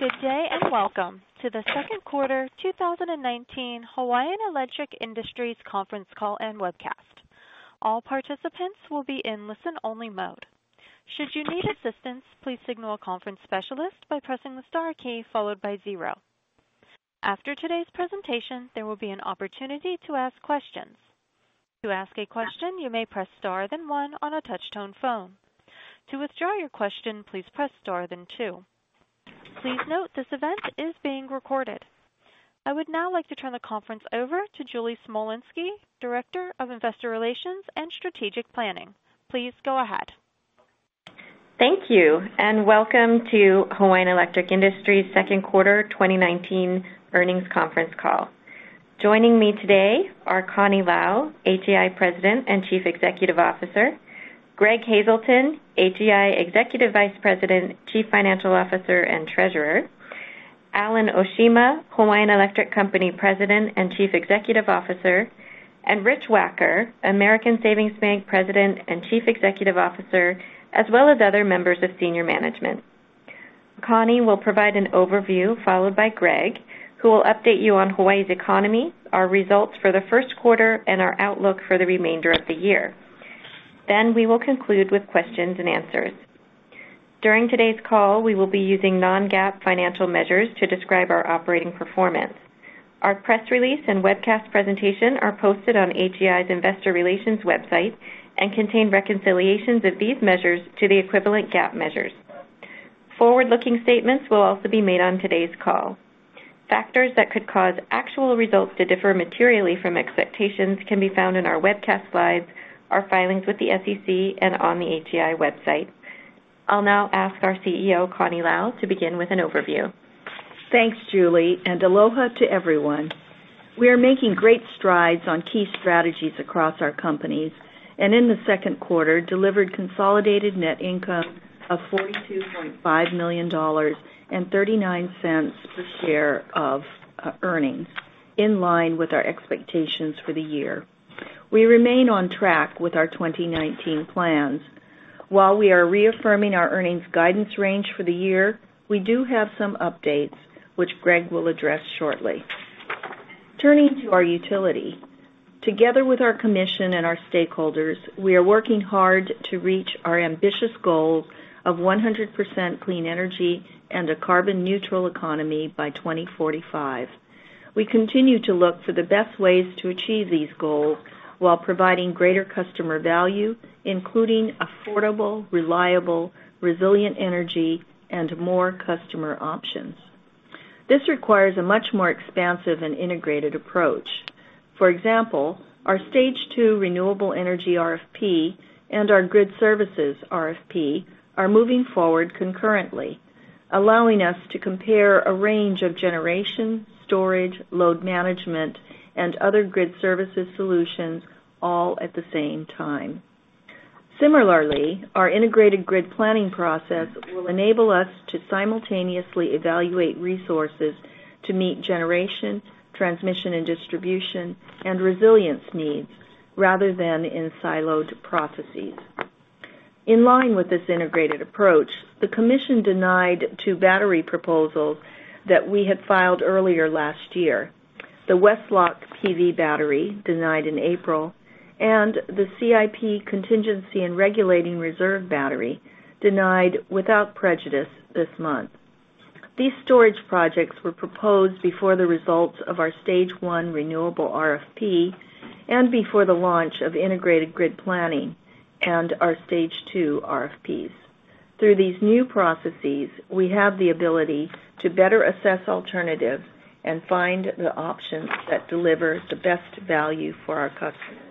Good day. Welcome to the second quarter 2019 Hawaiian Electric Industries conference call and webcast. All participants will be in listen only mode. Should you need assistance, please signal a conference specialist by pressing the star key followed by zero. After today's presentation, there will be an opportunity to ask questions. To ask a question, you may press star, then one on a touchtone phone. To withdraw your question, please press star, then two. Please note, this event is being recorded. I would now like to turn the conference over to Julie Smolensky, director of investor relations and strategic planning. Please go ahead. Thank you. Welcome to Hawaiian Electric Industries second quarter 2019 earnings conference call. Joining me today are Connie Lau, HEI President and Chief Executive Officer, Greg Hazelton, HEI Executive Vice President, Chief Financial Officer, and Treasurer, Alan Oshima, Hawaiian Electric Company President and Chief Executive Officer, and Rich Wacker, American Savings Bank President and Chief Executive Officer, as well as other members of senior management. Connie will provide an overview, followed by Greg, who will update you on Hawaii's economy, our results for the first quarter, and our outlook for the remainder of the year. We will conclude with questions and answers. During today's call, we will be using non-GAAP financial measures to describe our operating performance. Our press release and webcast presentation are posted on HEI's investor relations website and contain reconciliations of these measures to the equivalent GAAP measures. Forward-looking statements will also be made on today's call. Factors that could cause actual results to differ materially from expectations can be found in our webcast slides, our filings with the SEC, and on the HEI website. I'll now ask our CEO, Connie Lau, to begin with an overview. Thanks, Julie, and aloha to everyone. We are making great strides on key strategies across our companies, and in the second quarter, delivered consolidated net income of $42.5 million and $0.39 per share of earnings, in line with our expectations for the year. We remain on track with our 2019 plans. While we are reaffirming our earnings guidance range for the year, we do have some updates which Greg will address shortly. Turning to our utility, together with our commission and our stakeholders, we are working hard to reach our ambitious goals of 100% clean energy and a carbon neutral economy by 2045. We continue to look for the best ways to achieve these goals while providing greater customer value, including affordable, reliable, resilient energy and more customer options. This requires a much more expansive and integrated approach. For example, our stage 2 renewable energy RFP and our grid services RFP are moving forward concurrently, allowing us to compare a range of generation, storage, load management, and other grid services solutions all at the same time. Similarly, our integrated grid planning process will enable us to simultaneously evaluate resources to meet generation, transmission and distribution, and resilience needs rather than in siloed processes. In line with this integrated approach, the Commission denied two battery proposals that we had filed earlier last year. The West Loch PV battery, denied in April, and the CIP Contingency and Regulating Reserve Battery, denied without prejudice this month. These storage projects were proposed before the results of our stage 1 renewable RFP and before the launch of integrated grid planning and our stage 2 RFPs. Through these new processes, we have the ability to better assess alternatives and find the options that deliver the best value for our customers.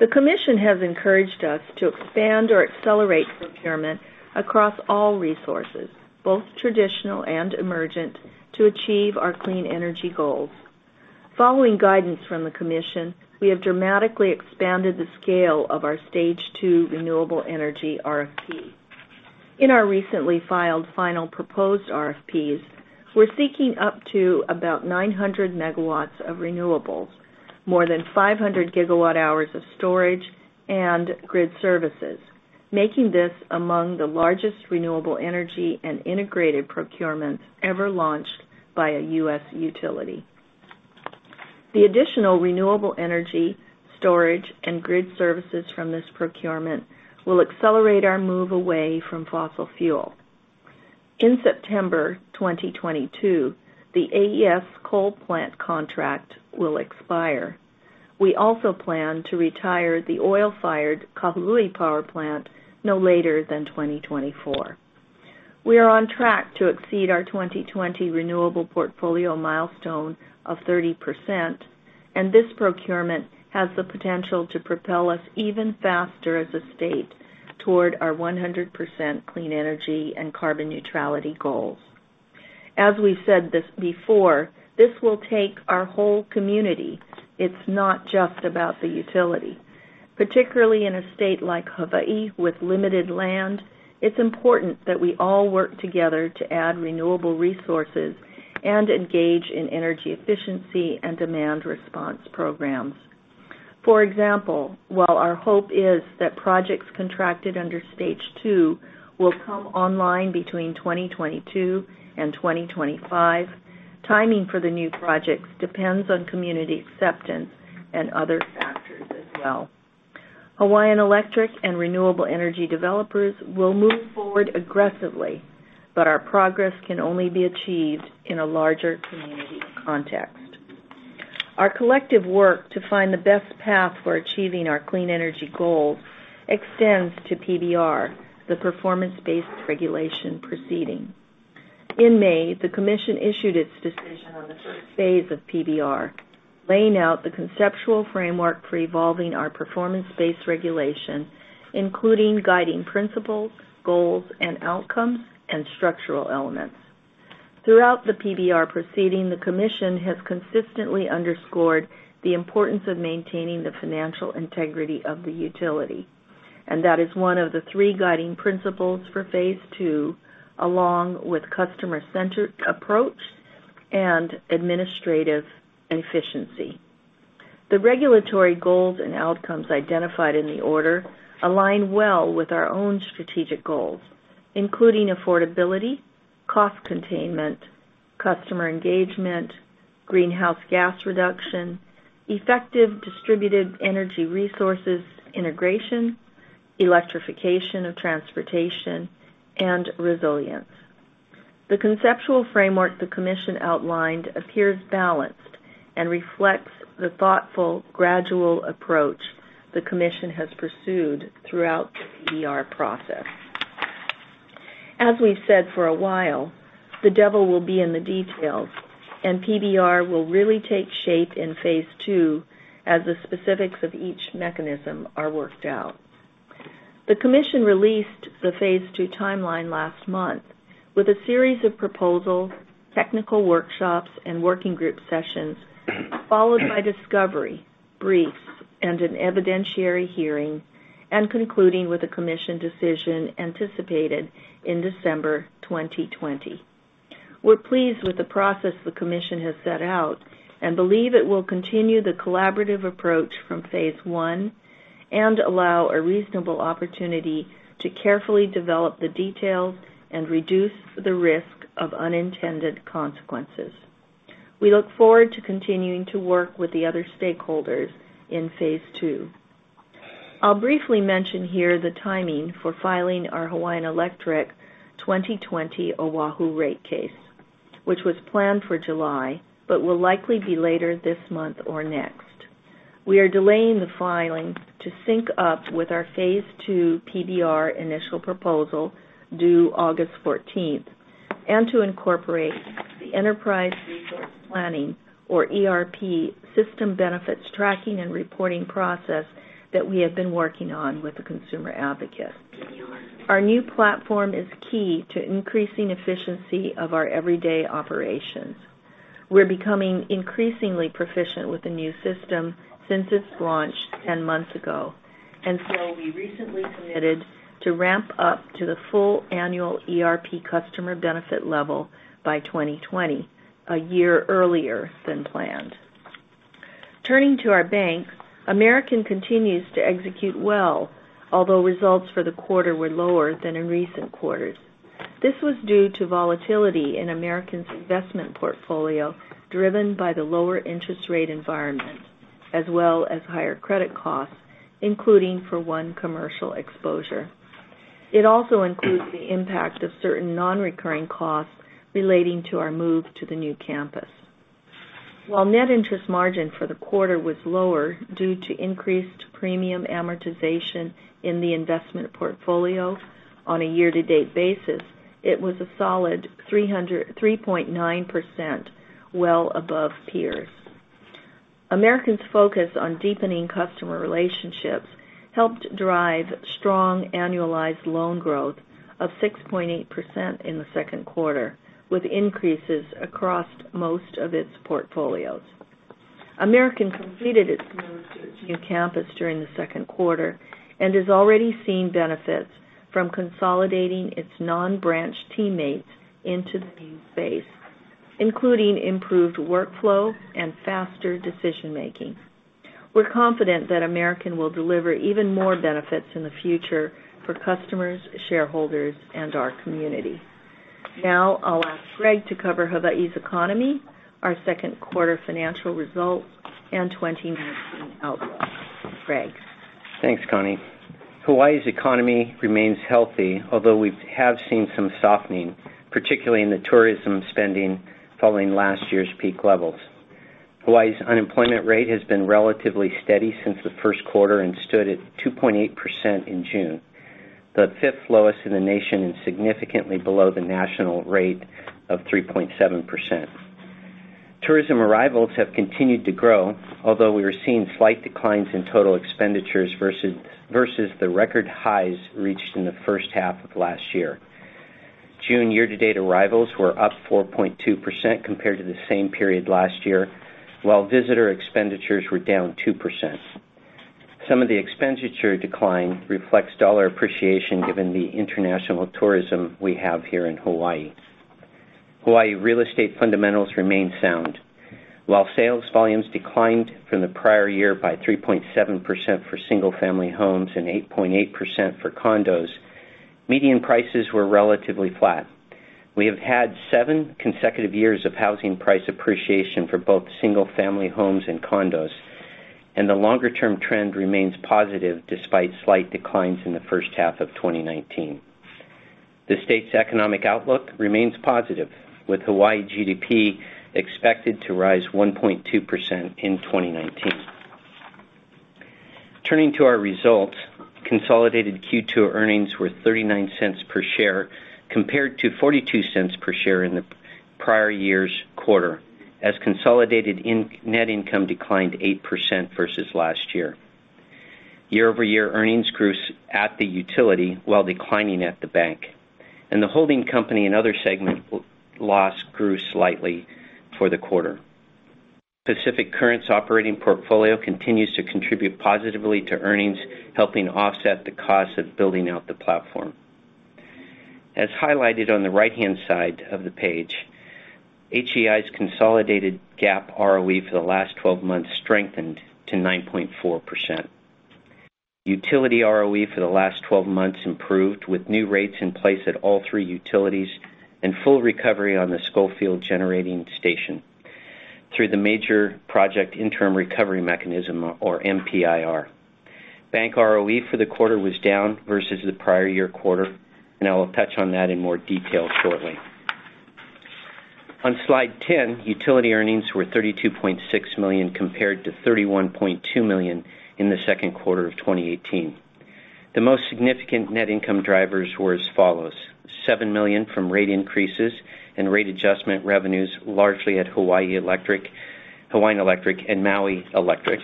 The commission has encouraged us to expand or accelerate procurement across all resources, both traditional and emergent, to achieve our clean energy goals. Following guidance from the commission, we have dramatically expanded the scale of our stage 2 renewable energy RFP. In our recently filed final proposed RFPs, we're seeking up to about 900 megawatts of renewables, more than 500 gigawatt hours of storage and grid services, making this among the largest renewable energy and integrated procurements ever launched by a U.S. utility. The additional renewable energy storage and grid services from this procurement will accelerate our move away from fossil fuel. In September 2022, the AES coal plant contract will expire. We also plan to retire the oil-fired Kahului Power Plant no later than 2024. We are on track to exceed our 2020 renewable portfolio milestone of 30%, and this procurement has the potential to propel us even faster as a state toward our 100% clean energy and carbon neutrality goals. As we've said this before, this will take our whole community. It's not just about the utility. Particularly in a state like Hawaii with limited land, it's important that we all work together to add renewable resources and engage in energy efficiency and demand response programs. For example, while our hope is that projects contracted under stage 2 will come online between 2022 and 2025, timing for the new projects depends on community acceptance and other factors as well. Hawaiian Electric and renewable energy developers will move forward aggressively, but our progress can only be achieved in a larger community context. Our collective work to find the best path for achieving our clean energy goals extends to PBR, the performance-based regulation proceeding. In May, the commission issued its decision on the first phase of PBR, laying out the conceptual framework for evolving our performance-based regulation, including guiding principles, goals, and outcomes, and structural elements. Throughout the PBR proceeding, the commission has consistently underscored the importance of maintaining the financial integrity of the utility, and that is one of the three guiding principles for phase two, along with customer-centric approach and administrative efficiency. The regulatory goals and outcomes identified in the order align well with our own strategic goals, including affordability, cost containment, customer engagement, greenhouse gas reduction, effective distributed energy resources integration, electrification of transportation, and resilience. The conceptual framework the commission outlined appears balanced and reflects the thoughtful, gradual approach the commission has pursued throughout the PBR process. As we've said for a while, the devil will be in the details, and PBR will really take shape in phase two as the specifics of each mechanism are worked out. The commission released the phase two timeline last month with a series of proposals, technical workshops, and working group sessions, followed by discovery, briefs, and an evidentiary hearing, and concluding with a commission decision anticipated in December 2020. We're pleased with the process the commission has set out and believe it will continue the collaborative approach from phase one and allow a reasonable opportunity to carefully develop the details and reduce the risk of unintended consequences. We look forward to continuing to work with the other stakeholders in phase two. I'll briefly mention here the timing for filing our Hawaiian Electric 2020 Oahu rate case, which was planned for July but will likely be later this month or next. We are delaying the filing to sync up with our phase two PBR initial proposal due August 14th and to incorporate the Enterprise Resource Planning, or ERP, system benefits tracking and reporting process that we have been working on with the consumer advocate. Our new platform is key to increasing efficiency of our everyday operations. We're becoming increasingly proficient with the new system since its launch 10 months ago. We recently committed to ramp up to the full annual ERP customer benefit level by 2020, a year earlier than planned. Turning to our bank, American continues to execute well, although results for the quarter were lower than in recent quarters. This was due to volatility in American's investment portfolio, driven by the lower interest rate environment, as well as higher credit costs, including for one commercial exposure. It also includes the impact of certain non-recurring costs relating to our move to the new campus. While net interest margin for the quarter was lower due to increased premium amortization in the investment portfolio on a year-to-date basis, it was a solid 3.9%, well above peers. American's focus on deepening customer relationships helped drive strong annualized loan growth of 6.8% in the second quarter, with increases across most of its portfolios. American completed its move to its new campus during the second quarter and is already seeing benefits from consolidating its non-branch teammates into the new space, including improved workflow and faster decision-making. We're confident that American will deliver even more benefits in the future for customers, shareholders, and our community. Now, I'll ask Greg to cover Hawai'i's economy, our second quarter financial results, and 2019 outlook. Greg? Thanks, Connie. Hawaii's economy remains healthy, although we have seen some softening, particularly in the tourism spending following last year's peak levels. Hawaii's unemployment rate has been relatively steady since the first quarter and stood at 2.8% in June, the fifth lowest in the nation and significantly below the national rate of 3.7%. Tourism arrivals have continued to grow, although we are seeing slight declines in total expenditures versus the record highs reached in the first half of last year. June year-to-date arrivals were up 4.2% compared to the same period last year, while visitor expenditures were down 2%. Some of the expenditure decline reflects dollar appreciation given the international tourism we have here in Hawaii. Hawaii real estate fundamentals remain sound. While sales volumes declined from the prior year by 3.7% for single family homes and 8.8% for condos, median prices were relatively flat. We have had seven consecutive years of housing price appreciation for both single family homes and condos, and the longer term trend remains positive despite slight declines in the first half of 2019. The state's economic outlook remains positive, with Hawaii GDP expected to rise 1.2% in 2019. Turning to our results, consolidated Q2 earnings were $0.39 per share, compared to $0.42 per share in the prior year's quarter, as consolidated net income declined 8% versus last year. Year-over-year earnings grew at the utility while declining at the bank, and the holding company and other segment loss grew slightly for the quarter. Pacific Current's operating portfolio continues to contribute positively to earnings, helping offset the cost of building out the platform. As highlighted on the right-hand side of the page, HEI's consolidated GAAP ROE for the last 12 months strengthened to 9.4%. Utility ROE for the last 12 months improved with new rates in place at all three utilities and full recovery on the Schofield generating station through the major project interim recovery mechanism, or MPIR. Bank ROE for the quarter was down versus the prior year quarter, and I will touch on that in more detail shortly. On slide 10, utility earnings were $32.6 million, compared to $31.2 million in the second quarter of 2018. The most significant net income drivers were as follows. $7 million from rate increases and rate adjustment revenues, largely at Hawaiian Electric and Maui Electric,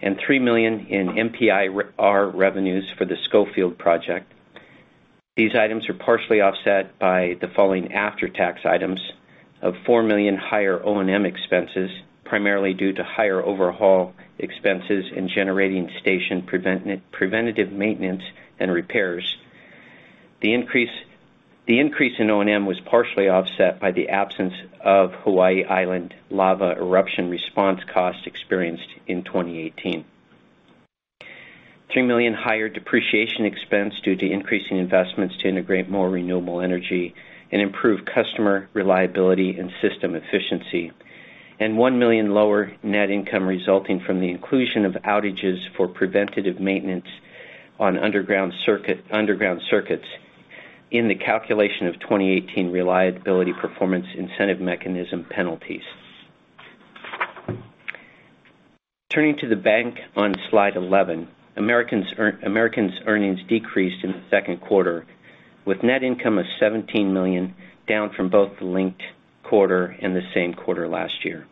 and $3 million in MPIR revenues for the Schofield project. These items are partially offset by the following after-tax items of $4 million higher O&M expenses, primarily due to higher overhaul expenses and generating station preventative maintenance and repairs. The increase in O&M was partially offset by the absence of Hawaii Island lava eruption response costs experienced in 2018. $3 million higher depreciation expense due to increasing investments to integrate more renewable energy and improve customer reliability and system efficiency, and $1 million lower net income resulting from the inclusion of outages for preventative maintenance on underground circuits in the calculation of 2018 reliability Performance Incentive Mechanism penalties. Turning to the bank on Slide 11, American's earnings decreased in the second quarter, with net income of $17 million down from both the linked quarter and the same quarter last year.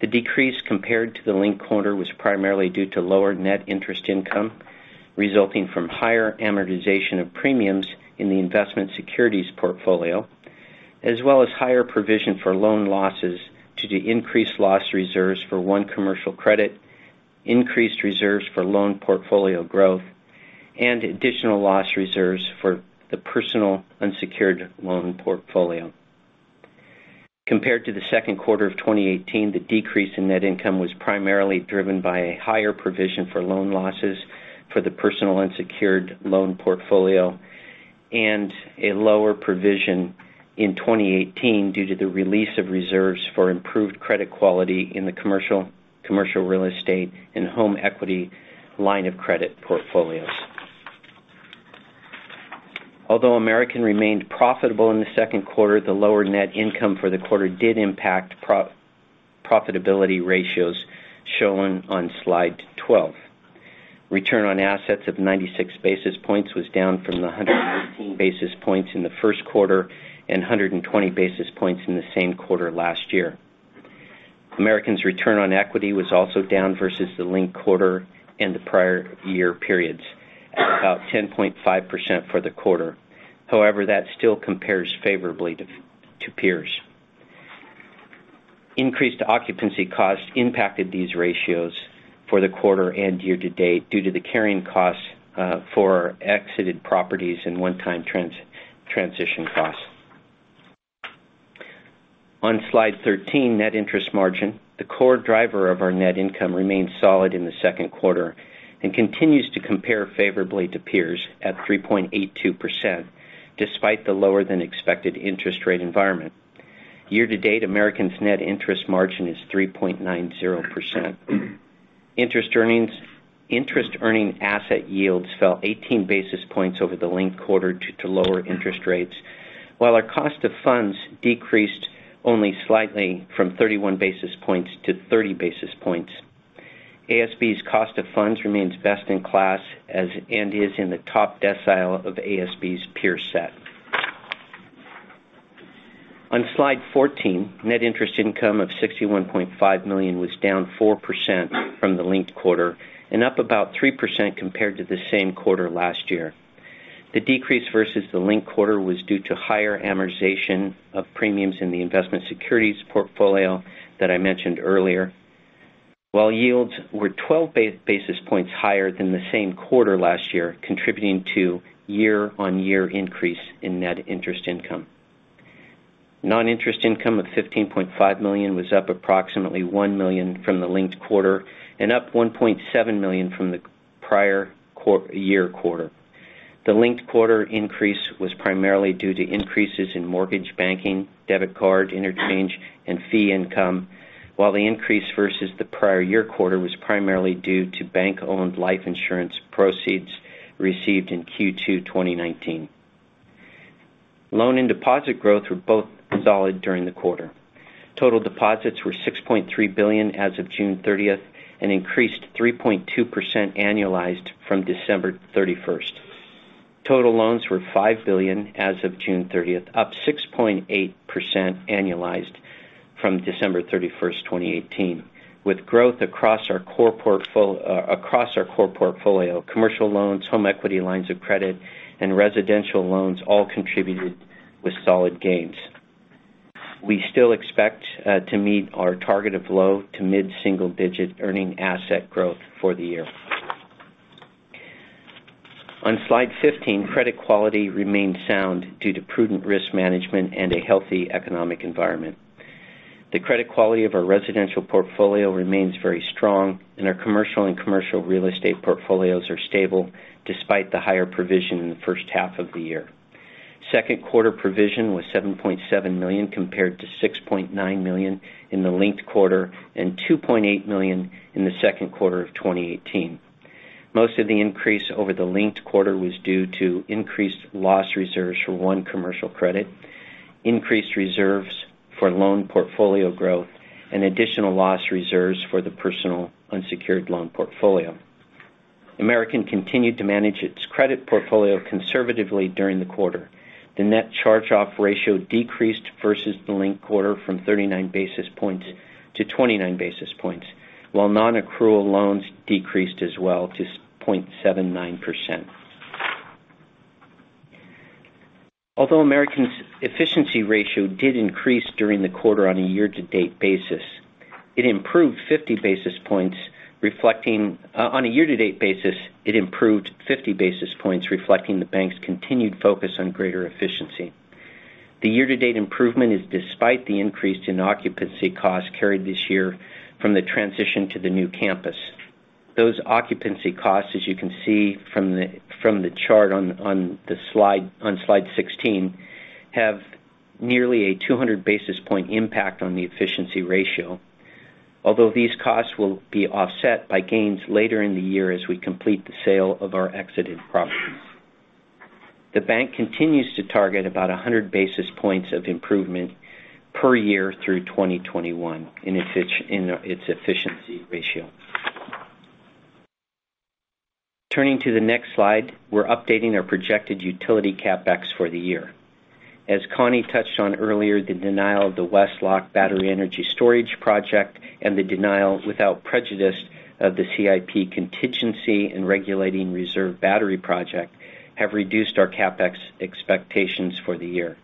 The decrease compared to the linked quarter was primarily due to lower net interest income, resulting from higher amortization of premiums in the investment securities portfolio, as well as higher provision for loan losses due to increased loss reserves for one commercial credit, increased reserves for loan portfolio growth, and additional loss reserves for the personal unsecured loan portfolio. Compared to the second quarter of 2018, the decrease in net income was primarily driven by a higher provision for loan losses for the personal unsecured loan portfolio and a lower provision in 2018 due to the release of reserves for improved credit quality in the commercial real estate and home equity line of credit portfolios. Although American remained profitable in the second quarter, the lower net income for the quarter did impact profitability ratios shown on Slide 12. Return on assets of 96 basis points was down from the 118 basis points in the first quarter and 120 basis points in the same quarter last year. American's return on equity was also down versus the linked quarter and the prior year periods at about 10.5% for the quarter. That still compares favorably to peers. Increased occupancy costs impacted these ratios for the quarter and year-to-date due to the carrying costs for exited properties and one-time transition costs. On Slide 13, net interest margin. The core driver of our net income remains solid in the second quarter and continues to compare favorably to peers at 3.82%, despite the lower than expected interest rate environment. Year-to-date, American's net interest margin is 3.90%. Interest earning asset yields fell 18 basis points over the linked quarter due to lower interest rates, while our cost of funds decreased only slightly from 31 basis points to 30 basis points. ASB's cost of funds remains best in class and is in the top decile of ASB's peer set. On Slide 14, net interest income of $61.5 million was down 4% from the linked quarter and up about 3% compared to the same quarter last year. The decrease versus the linked quarter was due to higher amortization of premiums in the investment securities portfolio that I mentioned earlier. While yields were 12 basis points higher than the same quarter last year, contributing to year-on-year increase in net interest income. Non-interest income of $15.5 million was up approximately $1 million from the linked quarter and up $1.7 million from the prior year quarter. The linked quarter increase was primarily due to increases in mortgage banking, debit card interchange, and fee income. The increase versus the prior year quarter was primarily due to bank-owned life insurance proceeds received in Q2 2019. Loan and deposit growth were both solid during the quarter. Total deposits were $6.3 billion as of June 30th and increased 3.2% annualized from December 31st. Total loans were $5 billion as of June 30th, up 6.8% annualized from December 31st, 2018, with growth across our core portfolio, commercial loans, home equity lines of credit, and residential loans all contributed with solid gains. We still expect to meet our target of low to mid-single digit earning asset growth for the year. On slide 15, credit quality remained sound due to prudent risk management and a healthy economic environment. The credit quality of our residential portfolio remains very strong, and our commercial and commercial real estate portfolios are stable despite the higher provision in the first half of the year. Second quarter provision was $7.7 million, compared to $6.9 million in the linked quarter and $2.8 million in the second quarter of 2018. Most of the increase over the linked quarter was due to increased loss reserves for one commercial credit, increased reserves for loan portfolio growth, and additional loss reserves for the personal unsecured loan portfolio. American continued to manage its credit portfolio conservatively during the quarter. The net charge-off ratio decreased versus the linked quarter from 39 basis points to 29 basis points, while non-accrual loans decreased as well to 0.79%. Although American's efficiency ratio did increase during the quarter, on a year-to-date basis, it improved 50 basis points, reflecting the bank's continued focus on greater efficiency. The year-to-date improvement is despite the increase in occupancy costs carried this year from the transition to the new campus. Those occupancy costs, as you can see from the chart on slide 16, have nearly a 200 basis point impact on the efficiency ratio. Although these costs will be offset by gains later in the year as we complete the sale of our exited properties. The bank continues to target about 100 basis points of improvement per year through 2021 in its efficiency ratio. Turning to the next slide, we're updating our projected utility CapEx for the year. As Connie touched on earlier, the denial of the West Loch Battery Energy Storage Project and the denial without prejudice of the CIP Contingency and Regulating Reserve Battery Project have reduced our CapEx expectations for the year.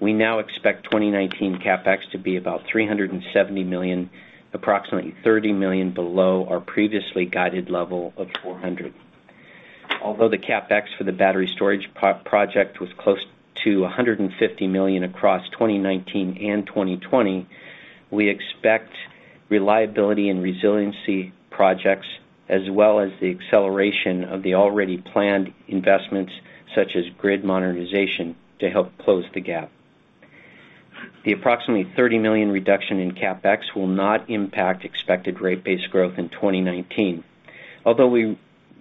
We now expect 2019 CapEx to be about $370 million, approximately $30 million below our previously guided level of $400 million. Although the CapEx for the battery storage project was close to $150 million across 2019 and 2020, we expect reliability and resiliency projects as well as the acceleration of the already planned investments, such as grid modernization, to help close the gap. The approximately $30 million reduction in CapEx will not impact expected rate base growth in 2019. Although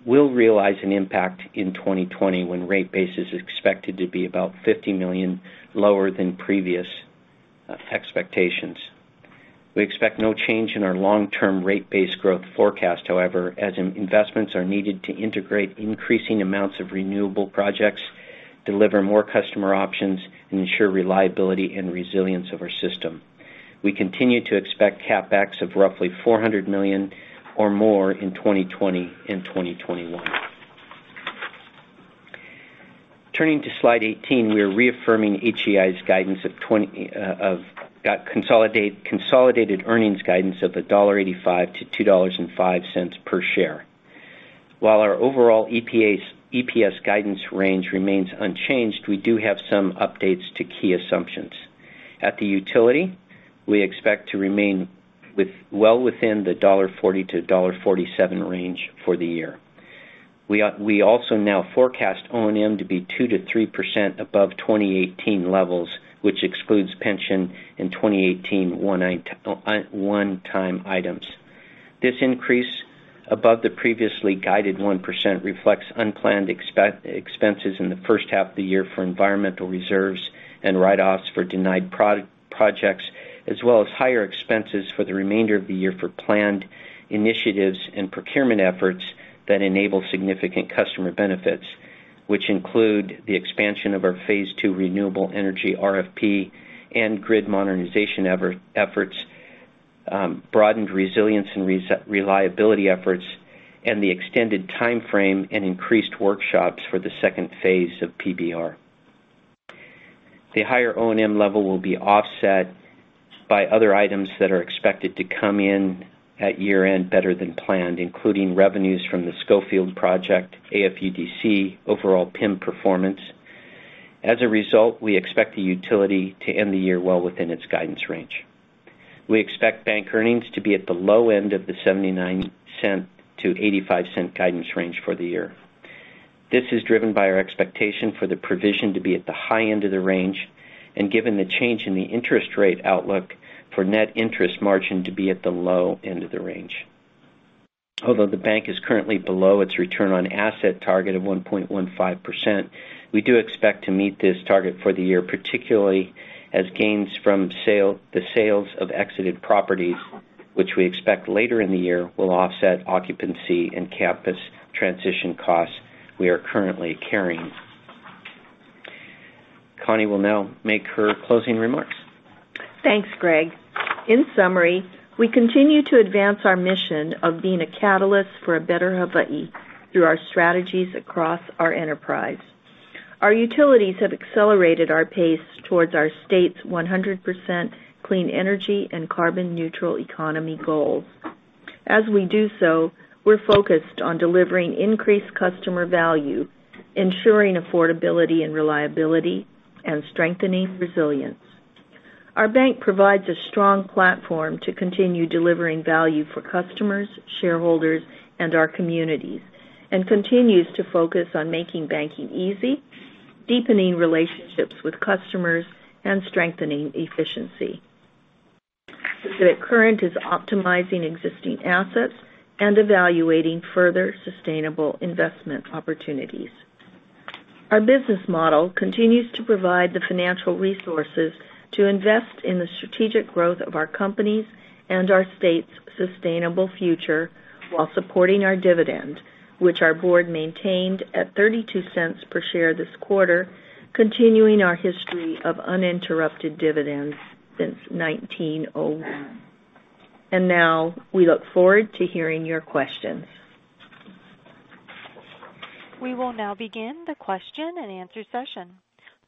we will realize an impact in 2020 when rate base is expected to be about $50 million lower than previous expectations. We expect no change in our long-term rate base growth forecast, however, as investments are needed to integrate increasing amounts of renewable projects, deliver more customer options, and ensure reliability and resilience of our system. We continue to expect CapEx of roughly $400 million or more in 2020 and 2021. Turning to slide 18, we are reaffirming HEI's consolidated earnings guidance of $1.85-$2.05 per share. While our overall EPS guidance range remains unchanged, we do have some updates to key assumptions. At the utility, we expect to remain well within the $1.40-$1.47 range for the year. We also now forecast O&M to be 2%-3% above 2018 levels, which excludes pension and 2018 one-time items. This increase above the previously guided 1% reflects unplanned expenses in the first half of the year for environmental reserves and write-offs for denied projects as well as higher expenses for the remainder of the year for planned initiatives and procurement efforts that enable significant customer benefits, which include the expansion of our Phase 2 renewable energy RFP and grid modernization efforts, broadened resilience and reliability efforts, and the extended timeframe and increased workshops for the second phase of PBR.The higher O&M level will be offset by other items that are expected to come in at year-end better than planned, including revenues from the Schofield project, AFUDC, overall PIM performance. As a result, we expect the utility to end the year well within its guidance range. We expect bank earnings to be at the low end of the $0.79 to $0.85 guidance range for the year. This is driven by our expectation for the provision to be at the high end of the range, and given the change in the interest rate outlook for net interest margin to be at the low end of the range. Although the bank is currently below its return on assets target of 1.15%, we do expect to meet this target for the year, particularly as gains from the sales of exited properties, which we expect later in the year, will offset occupancy and campus transition costs we are currently carrying. Connie will now make her closing remarks. Thanks, Greg. In summary, we continue to advance our mission of being a catalyst for a better Hawaii through our strategies across our enterprise. Our utilities have accelerated our pace towards our state's 100% clean energy and carbon neutral economy goals. As we do so, we're focused on delivering increased customer value, ensuring affordability and reliability, and strengthening resilience. Our bank provides a strong platform to continue delivering value for customers, shareholders, and our communities, and continues to focus on making banking easy, deepening relationships with customers, and strengthening efficiency. Pacific Current is optimizing existing assets and evaluating further sustainable investment opportunities. Our business model continues to provide the financial resources to invest in the strategic growth of our companies and our state's sustainable future while supporting our dividend, which our board maintained at $0.32 per share this quarter, continuing our history of uninterrupted dividends since 1901. Now, we look forward to hearing your questions. We will now begin the question and answer session.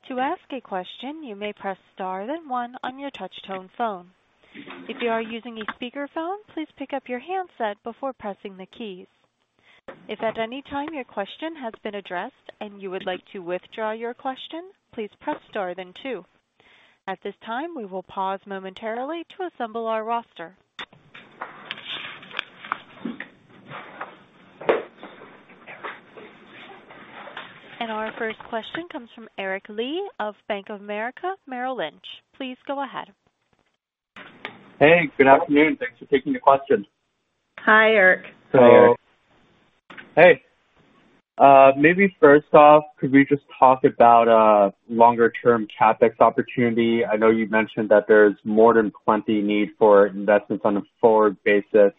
To ask a question, you may press star, then one on your touch tone phone. If you are using a speakerphone, please pick up your handset before pressing the keys. If at any time your question has been addressed and you would like to withdraw your question, please press star, then two. At this time, we will pause momentarily to assemble our roster. Our first question comes from Eric Lee of Bank of America Merrill Lynch. Please go ahead. Hey, good afternoon. Thanks for taking the question. Hi, Eric. Hello. Hey. Maybe first off, could we just talk about longer term CapEx opportunity? I know you mentioned that there's more than plenty need for investments on a forward basis,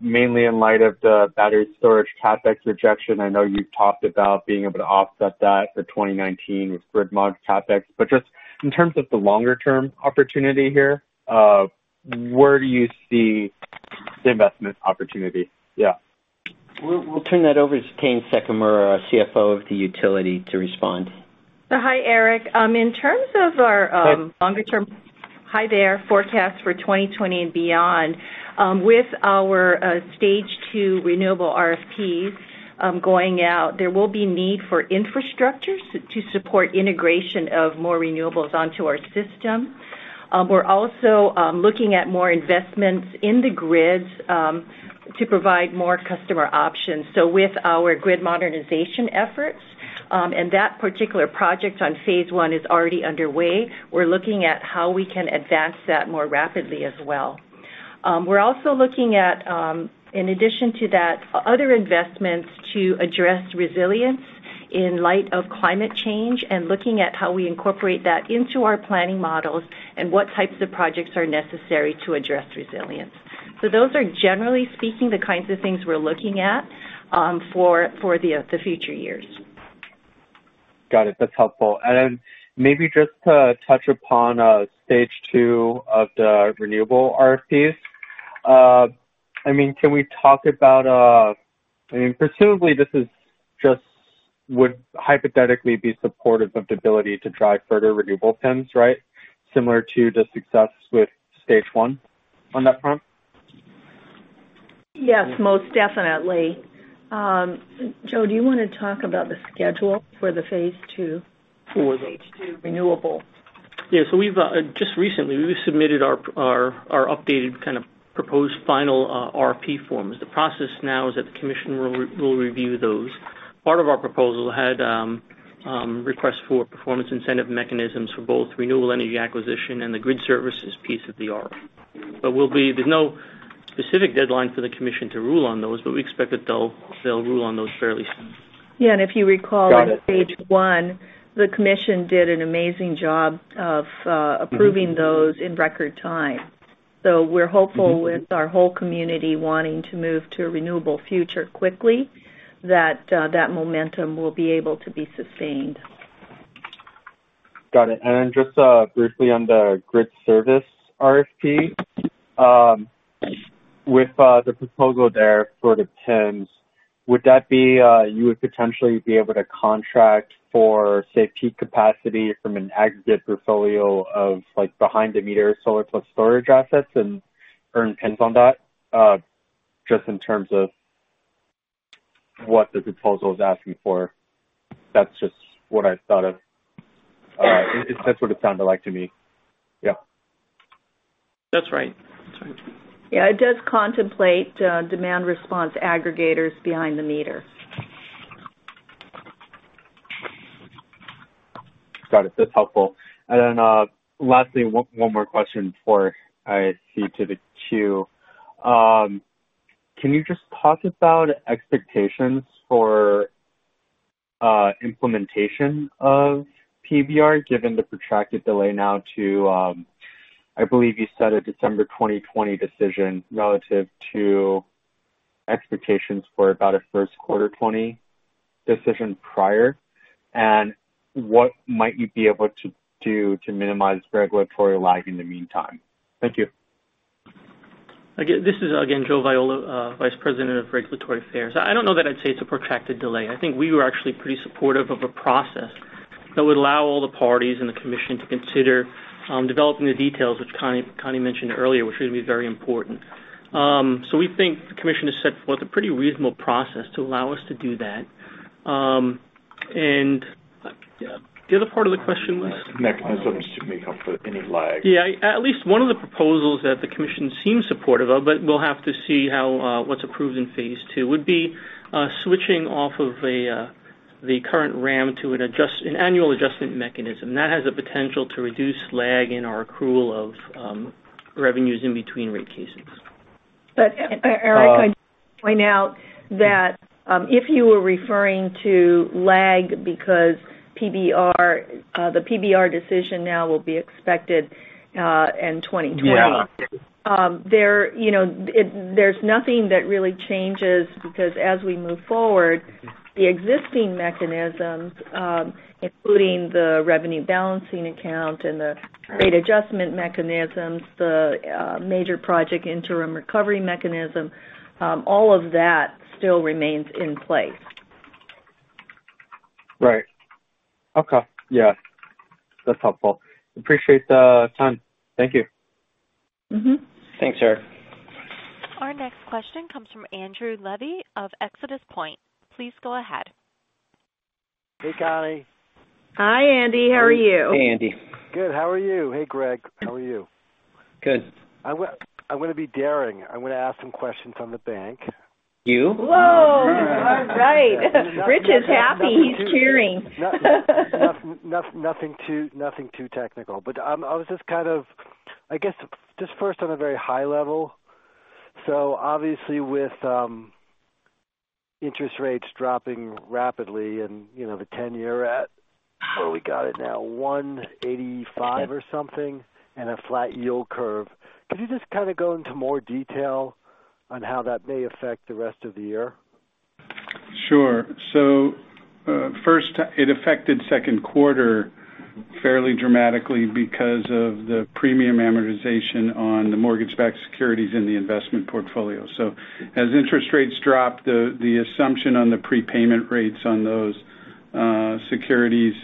mainly in light of the battery storage CapEx rejection. I know you've talked about being able to offset that for 2019 with grid mod CapEx. Just in terms of the longer term opportunity here, where do you see the investment opportunity? Yeah. We'll turn that over to Tayne Sekimura, our CFO of the utility, to respond. Hi, Eric. Hi Hi there. Forecast for 2020 and beyond, with our stage 2 renewable RFPs going out, there will be need for infrastructure to support integration of more renewables onto our system. We're also looking at more investments in the grids to provide more customer options. With our grid modernization efforts, and that particular project on phase 1 is already underway. We're looking at how we can advance that more rapidly as well. We're also looking at, in addition to that, other investments to address resilience in light of climate change, and looking at how we incorporate that into our planning models and what types of projects are necessary to address resilience. Those are, generally speaking, the kinds of things we're looking at for the future years. Got it. That's helpful. Maybe just to touch upon stage 2 of the renewable RFPs. Can we talk about, presumably this is just would hypothetically be supportive of the ability to drive further renewable PIMs, right? Similar to the success with stage 1 on that front? Yes, most definitely. Joe, do you want to talk about the schedule for the phase II? Sure. phase II renewable. Yeah. We've just recently, we submitted our updated kind of proposed final RFP forms. The process now is that the Commission will review those. Part of our proposal had requests for Performance Incentive Mechanisms for both renewable energy acquisition and the grid services piece of the RFP. There's no specific deadline for the Commission to rule on those, but we expect that they'll rule on those fairly soon. Yeah, if you recall. Got it. On stage 1, the Public Utilities Commission did an amazing job of approving those in record time. We're hopeful with our whole community wanting to move to a renewable future quickly, that that momentum will be able to be sustained. Got it. Just briefly on the grid services RFP, with the proposal there for the PIMs, would that be you would potentially be able to contract for safety capacity from an aggregate portfolio of behind the meter solar plus storage assets and earn PIMs on that, just in terms of what the proposal is asking for? That's just what I thought of. That's what it sounded like to me. Yeah. That's right. Yeah. It does contemplate demand response aggregators behind the meter. Got it. That's helpful. Lastly, one more question before I cede to the queue. Can you just talk about expectations for implementation of PBR given the protracted delay now to, I believe you said a December 2020 decision relative to expectations for about a first quarter 2020 decision prior, and what might you be able to do to minimize regulatory lag in the meantime? Thank you. Again, this is Joe Viola, Vice President of Regulatory Affairs. I don't know that I'd say it's a protracted delay. I think we were actually pretty supportive of a process that would allow all the parties and the commission to consider developing the details, which Connie mentioned earlier, which are going to be very important. We think the commission has set forth a pretty reasonable process to allow us to do that. The other part of the question was? Mechanisms to make up for any lag. At least one of the proposals that the Commission seems supportive of, but we'll have to see what's approved in phase II, would be switching off of the current RAM to an annual adjustment mechanism. That has a potential to reduce lag in our accrual of revenues in between rate cases. Eric, I'd point out that if you were referring to lag because the PBR decision now will be expected in 2020- Yeah there's nothing that really changes because as we move forward, the existing mechanisms, including the Revenue Balancing Account and the rate adjustment mechanisms, the Major Project Interim Recovery mechanism, all of that still remains in place. Right. Okay. Yeah. That's helpful. Appreciate the time. Thank you. Thanks, Eric. Our next question comes from Andrew Levy of ExodusPoint. Please go ahead. Hey, Connie. Hi, Andy. How are you? Hey, Andy. Good. How are you? Hey, Greg. How are you? Good. I'm going to be daring. I'm going to ask some questions on the bank. You? Whoa. All right. Rich is happy. He's cheering. Nothing too technical, but I was just kind of, I guess, just first on a very high level. Obviously with interest rates dropping rapidly and the 10-year at, where we got it now, 185 or something and a flat yield curve, could you just kind of go into more detail on how that may affect the rest of the year? Sure. First, it affected second quarter fairly dramatically because of the premium amortization on the mortgage-backed securities in the investment portfolio. As interest rates drop, the assumption on the prepayment rates on those securities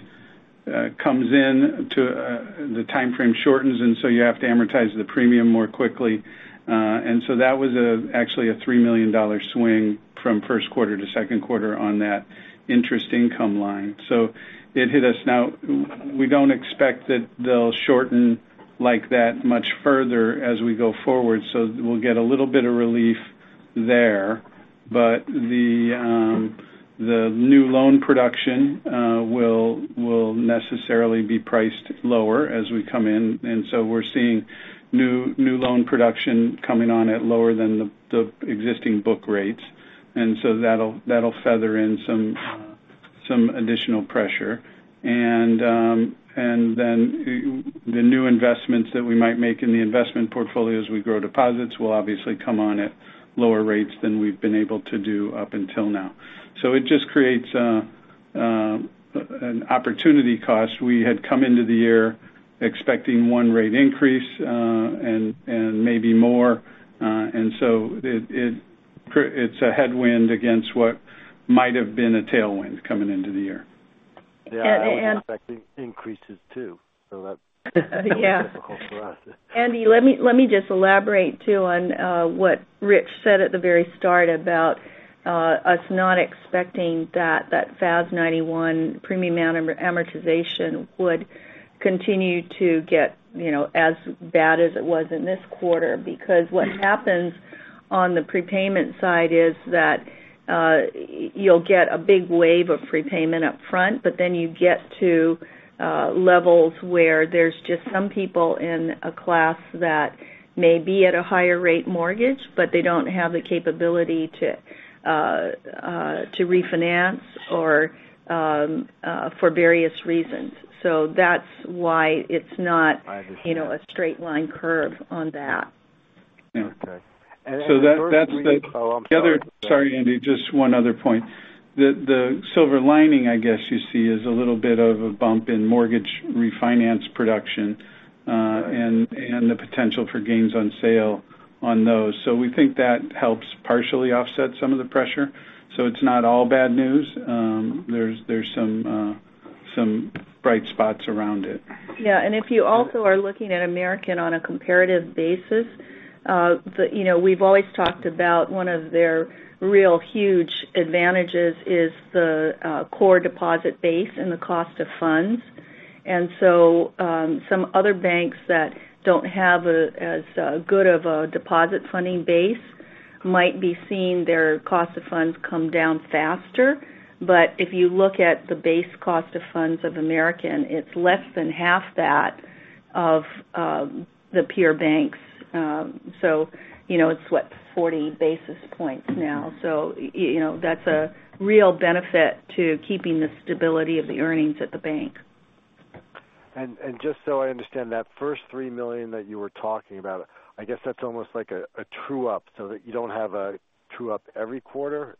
comes in to the timeframe shortens, you have to amortize the premium more quickly. That was actually a $3 million swing from first quarter to second quarter on that interest income line. It hit us. Now we don't expect that they'll shorten like that much further as we go forward, we'll get a little bit of relief there. The new loan production will necessarily be priced lower as we come in, we're seeing new loan production coming on at lower than the existing book rates, that'll feather in some additional pressure. The new investments that we might make in the investment portfolio as we grow deposits will obviously come on at lower rates than we've been able to do up until now. It just creates an opportunity cost. We had come into the year expecting one rate increase, and maybe more, and so it's a headwind against what might have been a tailwind coming into the year. And- Yeah, and it would affect increases, too. Yeah difficult for us. Andy, let me just elaborate, too, on what Rich said at the very start about us not expecting that FAS 91 premium amortization would continue to get as bad as it was in this quarter. What happens on the prepayment side is that you'll get a big wave of prepayment upfront, but then you get to levels where there's just some people in a class that may be at a higher rate mortgage, but they don't have the capability to refinance for various reasons. That's why it's not- I understand a straight line curve on that. Okay. Oh, I'm sorry. Sorry, Andy, just one other point. The silver lining, I guess you see, is a little bit of a bump in mortgage refinance production, and the potential for gains on sale on those. We think that helps partially offset some of the pressure. It's not all bad news. There's some bright spots around it. If you also are looking at American on a comparative basis, we've always talked about one of their real huge advantages is the core deposit base and the cost of funds. Some other banks that don't have as good of a deposit funding base might be seeing their cost of funds come down faster. If you look at the base cost of funds of American, it's less than half that of the peer banks. It's 40 basis points now. That's a real benefit to keeping the stability of the earnings at the bank. Just so I understand, that first $3 million that you were talking about, I guess that's almost like a true-up, so that you don't have a true-up every quarter?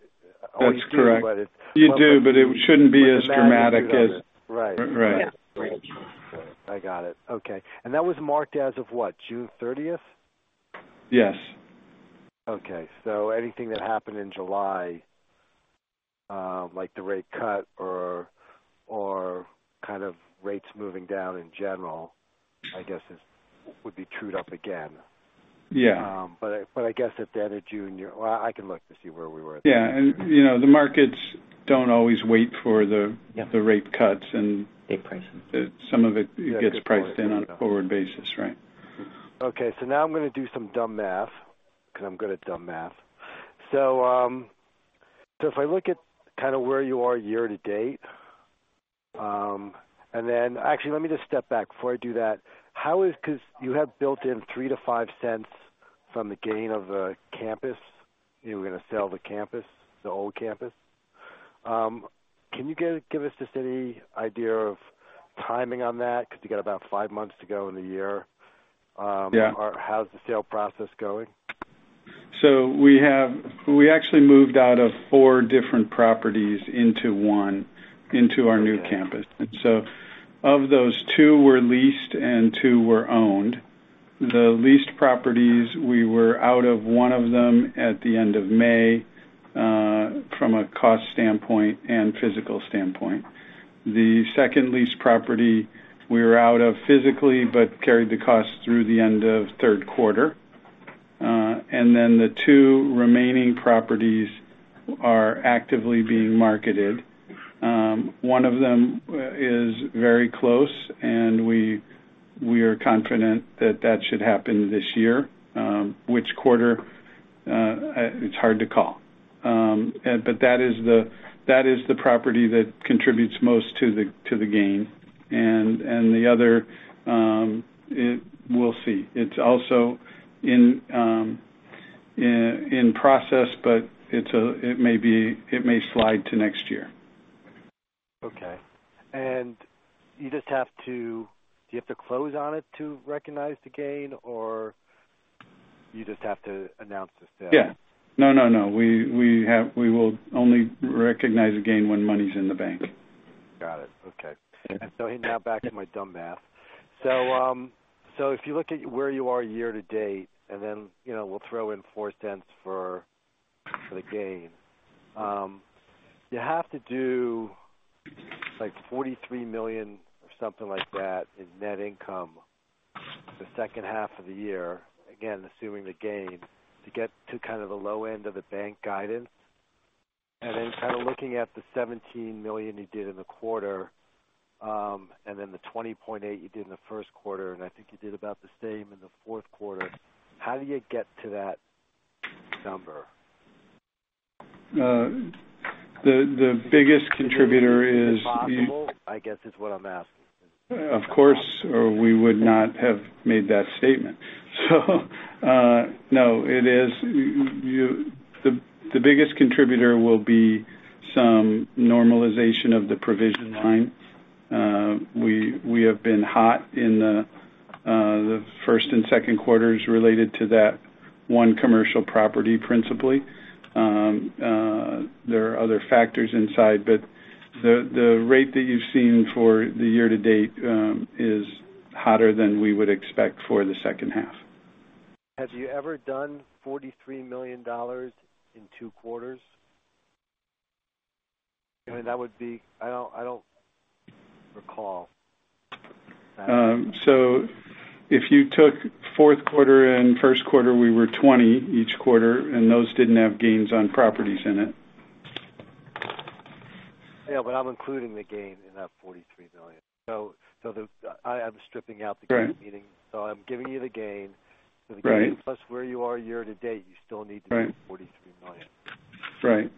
That's correct. Oh, you do, but it's. You do, but it shouldn't be as dramatic as. Right. Right. Yeah. I got it. Okay. That was marked as of what? June 30th? Yes. Okay. Anything that happened in July, like the rate cut or rates moving down in general, I guess, would be trued up again. Yeah. I guess at the end of June, Well, I can look to see where we were at. Yeah. The markets don't always wait for the rate cuts and- They price it. some of it gets priced in on a forward basis, right. Okay. Now I'm going to do some dumb math, because I'm good at dumb math. If I look at where you are year to date. Actually, let me just step back before I do that. You have built in $0.03-$0.05 from the gain of the campus, you were going to sell the campus, the old campus. Can you give us just any idea of timing on that? You got about five months to go in the year. Yeah. How's the sale process going? We actually moved out of four different properties into one, into our new campus. Of those, two were leased and two were owned. The leased properties, we were out of one of them at the end of May, from a cost standpoint and physical standpoint. The second leased property we were out of physically, but carried the cost through the end of third quarter. The two remaining properties are actively being marketed. One of them is very close, and we are confident that that should happen this year. Which quarter? It's hard to call. That is the property that contributes most to the gain. The other, we'll see. It's also in process, but it may slide to next year. Okay. Do you have to close on it to recognize the gain, or you just have to announce the sale? Yeah. No, we will only recognize the gain when money's in the bank. Got it. Okay. Now back to my dumb math. If you look at where you are year to date, and then, we'll throw in $0.04 for the gain. You have to do, like, $43 million or something like that in net income the second half of the year, again, assuming the gain, to get to the low end of the bank guidance. Then kind of looking at the $17 million you did in the quarter, and then the $20.8 million you did in the first quarter, and I think you did about the same in the fourth quarter. How do you get to that number? The biggest contributor is. Is it possible, I guess, is what I'm asking? Of course, or we would not have made that statement. No, it is. The biggest contributor will be some normalization of the provision line. We have been hot in the first and second quarters related to that one commercial property, principally. There are other factors inside, but the rate that you've seen for the year to date is hotter than we would expect for the second half. Have you ever done $43 million in two quarters? I mean, that would be I don't recall. If you took fourth quarter and first quarter, we were $20 each quarter, and those didn't have gains on properties in it. Yeah, I'm including the gain in that $43 million. I'm stripping out the gain. Right. Meaning, I'm giving you the gain. Right. The gain plus where you are year to date, you still need to do $43 million. Right.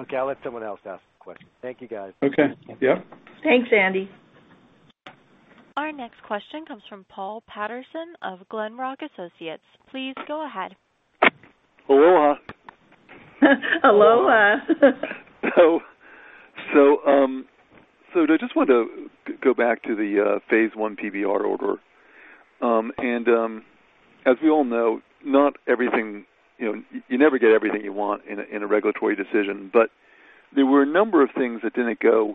Okay. I'll let someone else ask the question. Thank you, guys. Okay. Yep. Thanks, Andy. Our next question comes from Paul Patterson of Glenrock Associates. Please go ahead. Aloha. Aloha. I just wanted to go back to the phase 1 PBR order. As we all know, you never get everything you want in a regulatory decision, there were a number of things that didn't go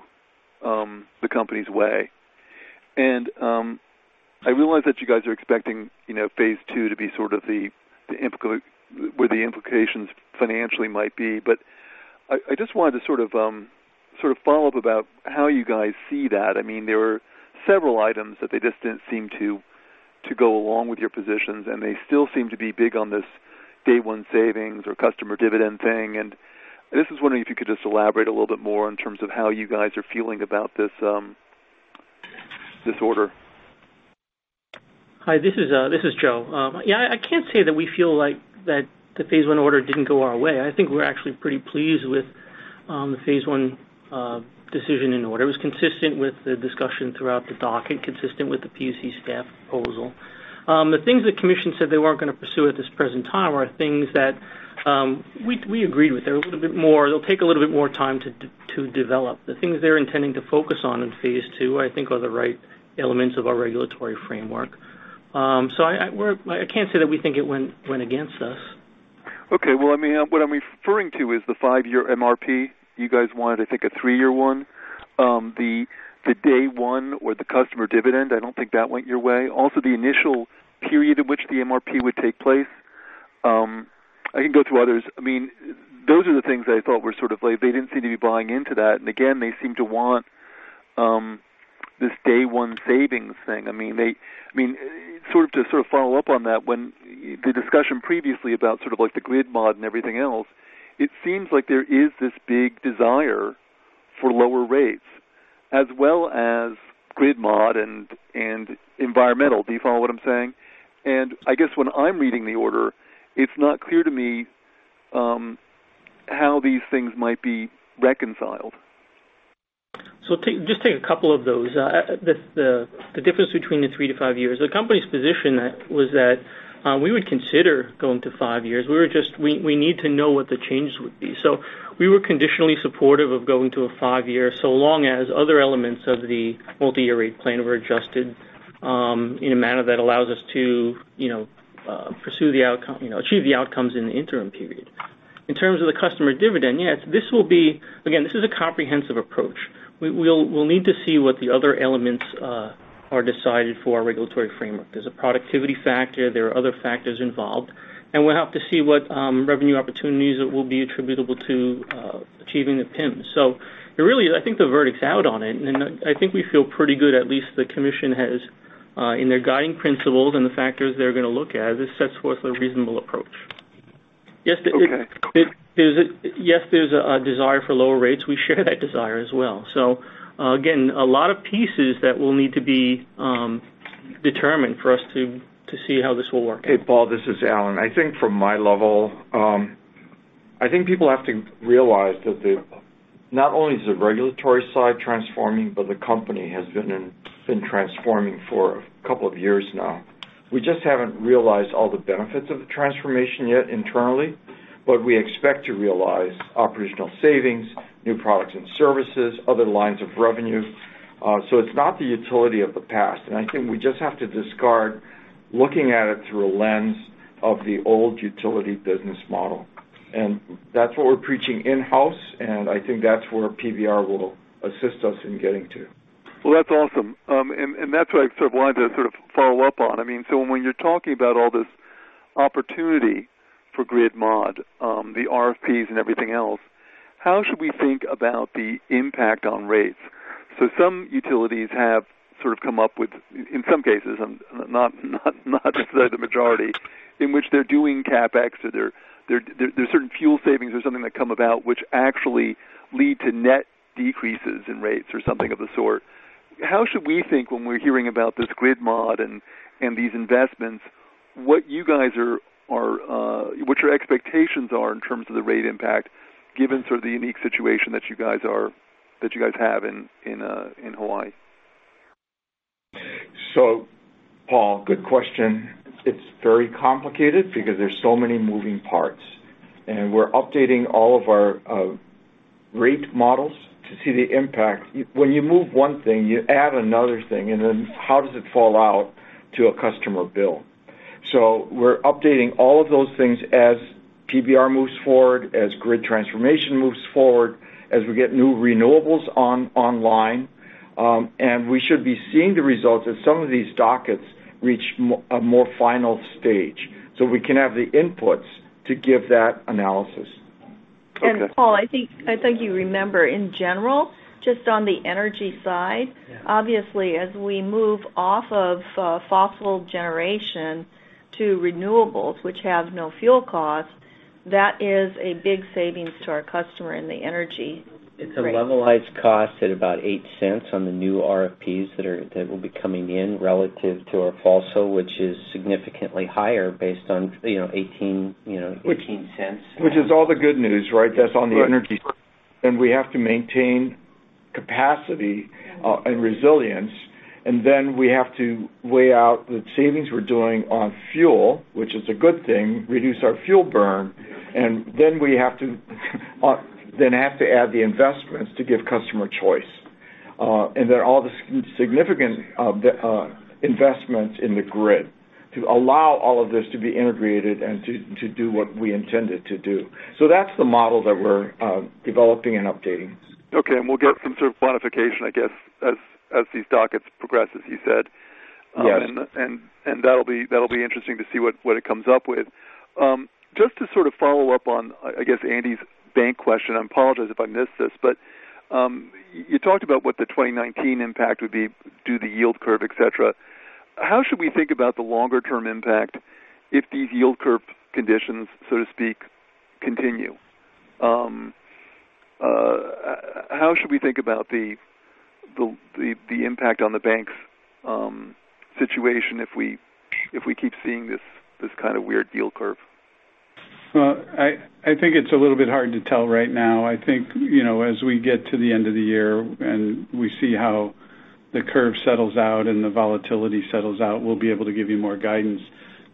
the company's way. I realize that you guys are expecting phase 2 to be sort of where the implications financially might be, I just wanted to sort of follow up about how you guys see that. There were several items that they just didn't seem to go along with your positions, and they still seem to be big on this day-one savings or customer dividend thing. I was just wondering if you could just elaborate a little bit more in terms of how you guys are feeling about this order. Hi, this is Joe. Yeah, I can't say that we feel like that the phase one order didn't go our way. I think we're actually pretty pleased with the phase one decision and order. It was consistent with the discussion throughout the docket, consistent with the PUC staff proposal. The things the commission said they weren't going to pursue at this present time are things that we agreed with. They'll take a little bit more time to develop. The things they're intending to focus on in phase two, I think, are the right elements of our regulatory framework. I can't say that we think it went against us. Okay. Well, what I'm referring to is the five-year MRP. You guys wanted, I think, a three-year one. The day one with the customer dividend, I don't think that went your way. Also, the initial period in which the MRP would take place. I can go through others. Those are the things I thought were sort of like they didn't seem to be buying into that. Again, they seem to want this day-one savings thing. To sort of follow up on that, when the discussion previously about the grid mod and everything else, it seems like there is this big desire for lower rates, as well as grid mod and environmental. Do you follow what I'm saying? I guess when I'm reading the order, it's not clear to me how these things might be reconciled. I'll just take a couple of those. The difference between the three to five years. The company's position was that we would consider going to five years. We need to know what the changes would be. We were conditionally supportive of going to a five-year, so long as other elements of the multi-year rate plan were adjusted in a manner that allows us to achieve the outcomes in the interim period. In terms of the customer dividend, again, this is a comprehensive approach. We'll need to see what the other elements are decided for our regulatory framework. There's a productivity factor, there are other factors involved, and we'll have to see what revenue opportunities will be attributable to achieving the PIMs. Really, I think the verdict's out on it, and I think we feel pretty good, at least, the commission has, in their guiding principles and the factors they're going to look at, this sets forth a reasonable approach. Okay. Cool. Yes, there's a desire for lower rates. We share that desire as well. Again, a lot of pieces that will need to be determined for us to see how this will work. Hey, Paul, this is Alan. I think from my level, I think people have to realize that not only is the regulatory side transforming, but the company has been transforming for a couple of years now. We just haven't realized all the benefits of the transformation yet internally, we expect to realize operational savings, new products and services, other lines of revenue. It's not the utility of the past. I think we just have to discard looking at it through a lens of the old utility business model. That's what we're preaching in-house. I think that's where PBR will assist us in getting to. Well, that's awesome. That's what I sort of wanted to follow up on. When you're talking about all this opportunity for grid mod, the RFPs and everything else, how should we think about the impact on rates? Some utilities have come up with, in some cases, not to say the majority, in which they're doing CapEx, or there's certain fuel savings or something that come about which actually lead to net decreases in rates or something of the sort. How should we think when we're hearing about this grid mod and these investments, what your expectations are in terms of the rate impact given sort of the unique situation that you guys have in Hawaii? Paul, good question. It's very complicated because there's so many moving parts, and we're updating all of our rate models to see the impact. When you move one thing, you add another thing, and then how does it fall out to a customer bill? We're updating all of those things as PBR moves forward, as grid transformation moves forward, as we get new renewables online, and we should be seeing the results as some of these dockets reach a more final stage, so we can have the inputs to give that analysis. Okay. Paul, I think you remember, in general, just on the energy side, obviously, as we move off of fossil generation to renewables, which have no fuel cost, that is a big savings to our customer in the energy. It's a levelized cost at about $0.08 on the new RFPs that will be coming in relative to our fossil, which is significantly higher based on $0.18. Which is all the good news, right? That's on the energy side. We have to maintain capacity and resilience. Then we have to weigh out the savings we're doing on fuel, which is a good thing, reduce our fuel burn. We have to add the investments to give customer choice. All the significant investments in the grid to allow all of this to be integrated and to do what we intend it to do. That's the model that we're developing and updating. Okay, we'll get some sort of quantification, I guess, as these dockets progress, as you said. Yes. That'll be interesting to see what it comes up with. Just to sort of follow up on, I guess, Andy's bank question, I apologize if I missed this, but you talked about what the 2019 impact would be due to the yield curve, et cetera. How should we think about the longer-term impact if these yield curve conditions, so to speak, continue? How should we think about the impact on the bank's situation if we keep seeing this kind of weird yield curve? Well, I think it's a little bit hard to tell right now. I think as we get to the end of the year and we see how the curve settles out and the volatility settles out, we'll be able to give you more guidance.